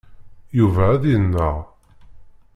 Yuba ad yennaɣ.